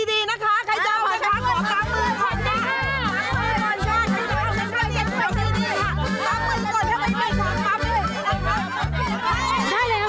เรียกรับมาสามารถที่ดีนะคะ